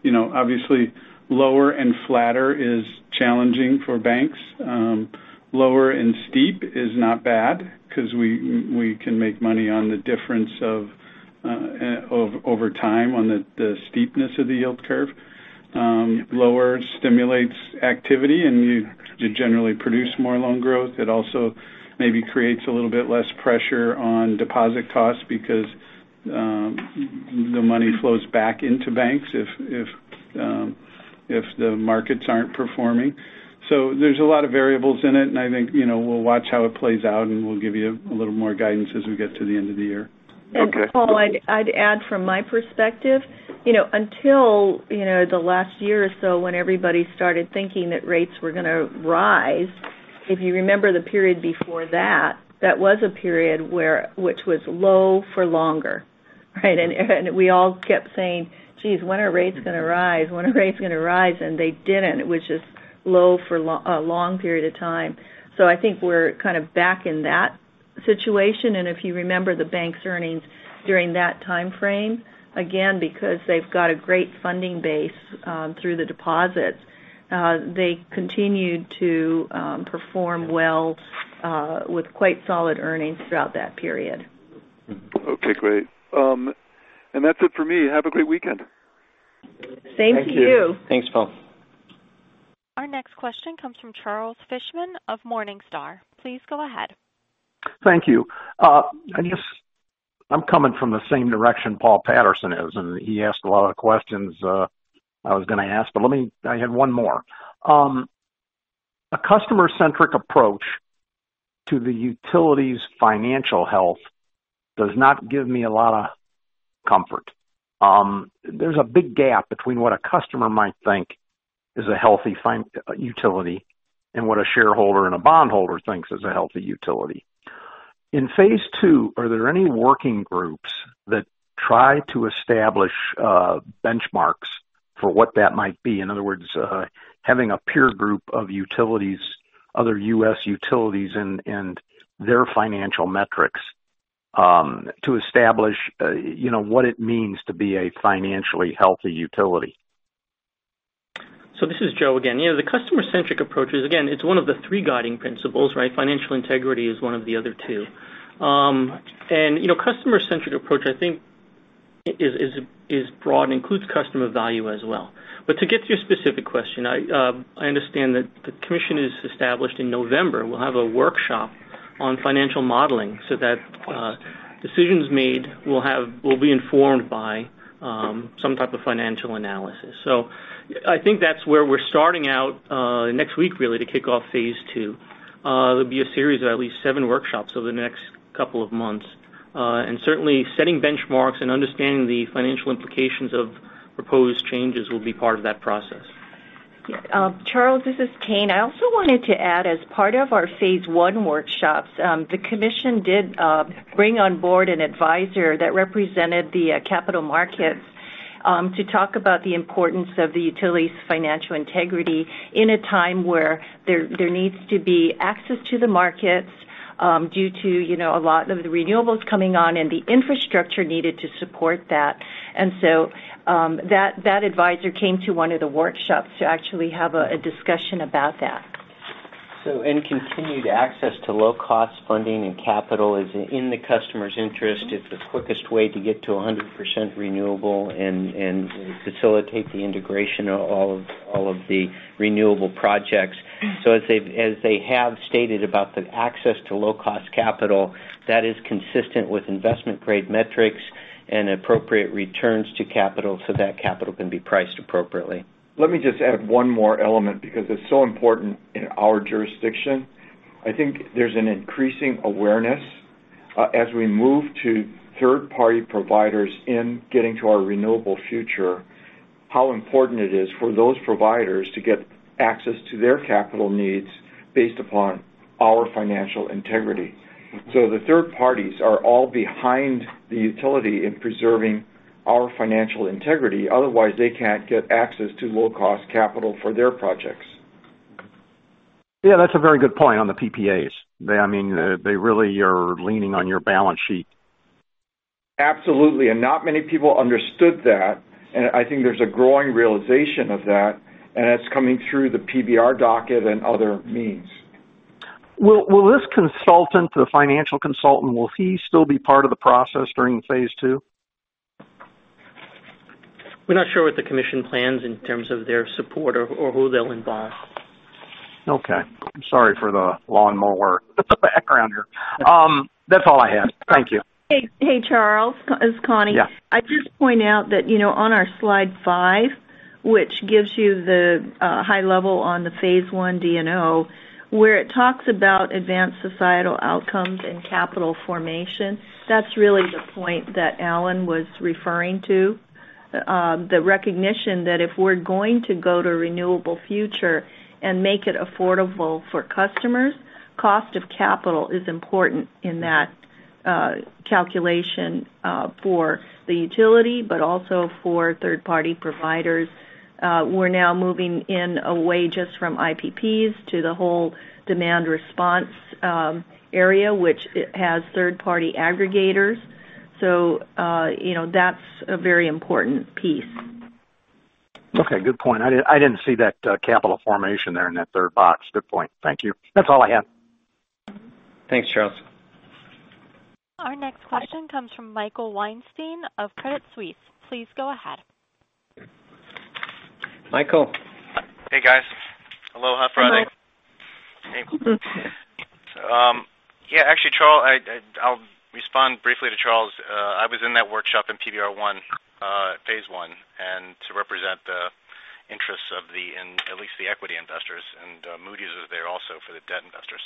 Obviously, lower and flatter is challenging for banks. Lower and steep is not bad because we can make money on the difference over time on the steepness of the yield curve. Lower stimulates activity, you generally produce more loan growth. It also maybe creates a little bit less pressure on deposit costs because the money flows back into banks if the markets aren't performing. There's a lot of variables in it, I think we'll watch how it plays out, we'll give you a little more guidance as we get to the end of the year. Okay. Paul, I'd add from my perspective, until the last year or so when everybody started thinking that rates were going to rise, if you remember the period before that was a period which was low for longer, right? We all kept saying, "Geez, when are rates going to rise? When are rates going to rise?" They didn't, which is low for a long period of time. I think we're kind of back in that situation. If you remember the bank's earnings during that time frame, again, because they've got a great funding base through the deposits, they continued to perform well with quite solid earnings throughout that period. Okay, great. That's it for me. Have a great weekend. Same to you. Thank you. Thanks, Paul. Our next question comes from Charles Fishman of Morningstar. Please go ahead. Thank you. Thing is I'm coming from the same direction Paul Patterson is, and he asked a lot of the questions I was going to ask, but I have one more. A customer-centric approach to the utility's financial health does not give me a lot of comfort. There's a big gap between what a customer might think is a healthy utility and what a shareholder and a bondholder thinks is a healthy utility. In phase II, are there any working groups that try to establish benchmarks for what that might be? In other words, having a peer group of utilities, other U.S. utilities, and their financial metrics, to establish what it means to be a financially healthy utility. This is Joe again. The customer-centric approach is, again, it's one of the three guiding principles, right? Financial integrity is one of the other two. Customer-centric approach, I think is broad and includes customer value as well. To get to your specific question, I understand that the Commission is established in November. We'll have a workshop on financial modeling so that decisions made will be informed by some type of financial analysis. I think that's where we're starting out, next week really, to kick off phase two. There'll be a series of at least seven workshops over the next couple of months. Certainly, setting benchmarks and understanding the financial implications of proposed changes will be part of that process. Charles, this is Tayne. I also wanted to add, as part of our phase one workshops, the Commission did bring on board an advisor that represented the capital markets to talk about the importance of the utility's financial integrity in a time where there needs to be access to the markets due to a lot of the renewables coming on and the infrastructure needed to support that. That advisor came to one of the workshops to actually have a discussion about that. Continued access to low-cost funding and capital is in the customer's interest. It's the quickest way to get to 100% renewable and facilitate the integration of all of the renewable projects. As they have stated about the access to low-cost capital, that is consistent with investment-grade metrics and appropriate returns to capital so that capital can be priced appropriately. Let me just add one more element because it's so important in our jurisdiction. I think there's an increasing awareness as we move to third-party providers in getting to our renewable future, how important it is for those providers to get access to their capital needs based upon our financial integrity. The third parties are all behind the utility in preserving our financial integrity, otherwise they can't get access to low-cost capital for their projects. Yeah, that's a very good point on the PPAs. They really are leaning on your balance sheet. Absolutely. Not many people understood that, and I think there's a growing realization of that, and it's coming through the PBR docket and other means. Will this consultant, the financial consultant, will he still be part of the process during phase two? We're not sure what the commission plans in terms of their support or who they'll involve. Okay. I'm sorry for the lawnmower background here. That's all I had. Thank you. Hey, Charles, it's Connie. Yeah. I'd just point out that on our slide five, which gives you the high level on the phase one DNO, where it talks about advanced societal outcomes and capital formation, that's really the point that Alan was referring to. The recognition that if we're going to go to renewable future and make it affordable for customers, cost of capital is important in that calculation for the utility, but also for third-party providers. We're now moving in a way just from IPPs to the whole demand response area, which has third-party aggregators. That's a very important piece. Okay, good point. I didn't see that capital formation there in that third box. Good point. Thank you. That's all I had. Thanks, Charles. Our next question comes from Michael Weinstein of Credit Suisse. Please go ahead. Michael. Hey, guys. Aloha Friday. Hello. Yeah, actually, Charles, I'll respond briefly to Charles. I was in that workshop in PBR one, phase one, and to represent the interests of at least the equity investors, and Moody's was there also for the debt investors.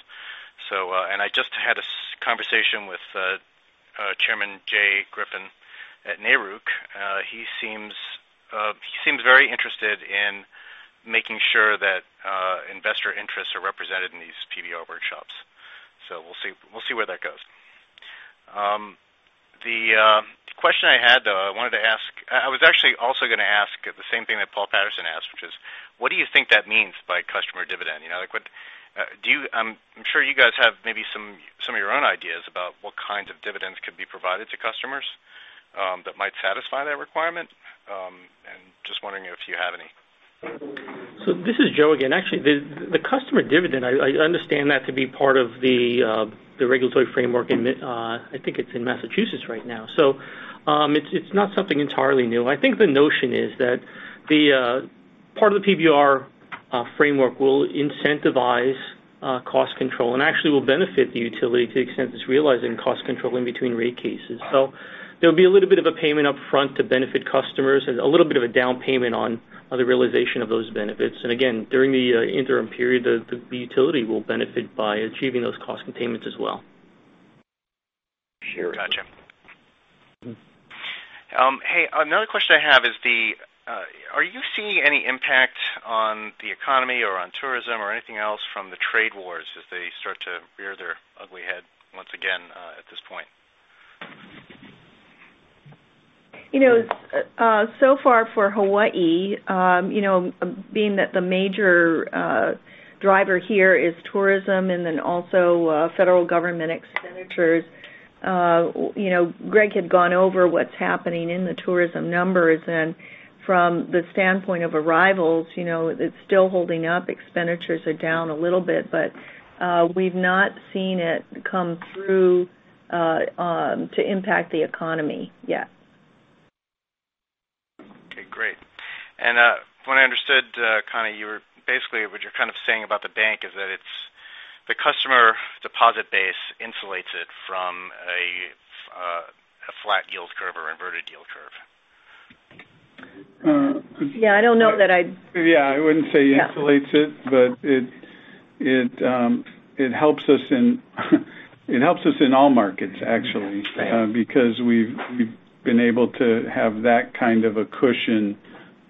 I just had a conversation with Chairman Jay Griffin at NARUC. He seems very interested in making sure that investor interests are represented in these PBR workshops. We'll see where that goes. The question I had, though, I wanted to ask, I was actually also going to ask the same thing that Paul Patterson asked, which is: what do you think that means by customer dividend? I'm sure you guys have maybe some of your own ideas about what kinds of dividends could be provided to customers that might satisfy that requirement. Just wondering if you have any. This is Joe again. Actually, the customer dividend, I understand that to be part of the regulatory framework in, I think it's in Massachusetts right now. It's not something entirely new. I think the notion is that part of the PBR framework will incentivize cost control and actually will benefit the utility to the extent it's realizing cost control in between rate cases. There'll be a little bit of a payment up front to benefit customers and a little bit of a down payment on the realization of those benefits. Again, during the interim period, the utility will benefit by achieving those cost containments as well. Gotcha. Hey, another question I have is, are you seeing any impact on the economy or on tourism or anything else from the trade wars as they start to rear their ugly head once again at this point? So far for Hawaii, being that the major driver here is tourism and then also federal government expenditures, Greg had gone over what's happening in the tourism numbers, and from the standpoint of arrivals, it's still holding up. Expenditures are down a little bit, but we've not seen it come through to impact the economy yet. Okay, great. From what I understood, Connie, basically what you're kind of saying about the bank is that the customer deposit base insulates it from a flat yield curve or inverted yield curve. Yeah, I don't know that. Yeah, I wouldn't say insulates it, but it helps us in all markets actually. Right. We've been able to have that kind of a cushion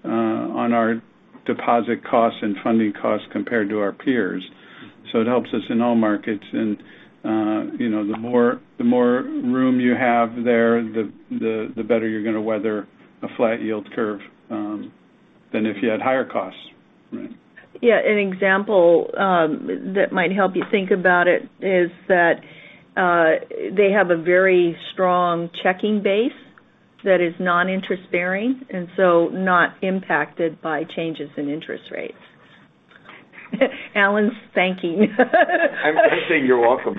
on our deposit costs and funding costs compared to our peers. It helps us in all markets. The more room you have there, the better you're going to weather a flat yield curve than if you had higher costs. Right. Yeah, an example that might help you think about it is that they have a very strong checking base that is non-interest bearing, and so not impacted by changes in interest rates. Alan's thanking. I'm just saying you're welcome.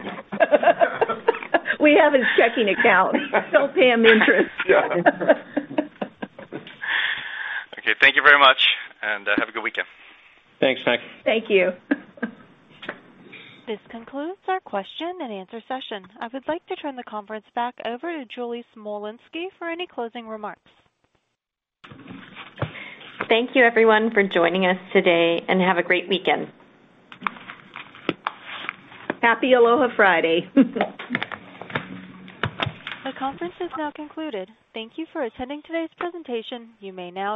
We have his checking account. Still paying the interest. Yeah. Okay. Thank you very much, and have a good weekend. Thanks, Mike. Thank you. This concludes our question and answer session. I would like to turn the conference back over to Julie Smolensky for any closing remarks. Thank you everyone for joining us today, and have a great weekend. Happy Aloha Friday. The conference is now concluded. Thank you for attending today's presentation. You may now disconnect.